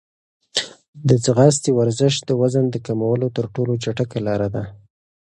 د ځغاستې ورزش د وزن د کمولو تر ټولو چټکه لاره ده.